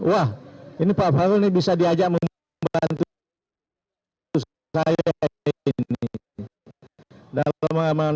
wah ini pak fahrul ini bisa diajak membantu saya ini